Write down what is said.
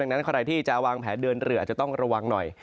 นั้นใครที่จะวางแผนเดินเรืออาจจะต้องระวังหน่อย